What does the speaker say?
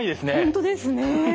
本当ですね。